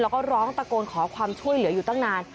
แล้วก็ร้องตะโกนขอความช่วยเหลืออยู่ตั้งนาน